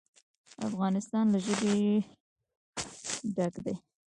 افغانستان له ژبې ډک دی.